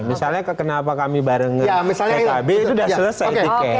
misalnya kenapa kami bareng dengan pkb itu sudah selesai tiket